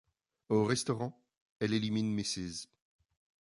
Au restaurant, elle éliminent Mrs.